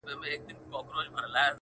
جانانه ستا د يادولو کيسه ختمه نه ده_